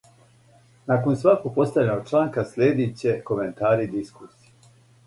Након сваког постављеног чланка слиједит ће коментари и дискусије.